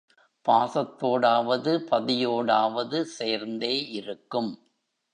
பாசத்தோடாவது பதியோடாவது சேர்ந்தே இருக்கும்.